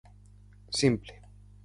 Simple.